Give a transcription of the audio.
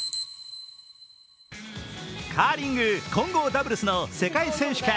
カーリング混合ダブルスの世界選手権。